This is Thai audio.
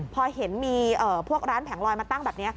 พอเห็นมีพวกร้านแผงลอยมาตั้งแบบนี้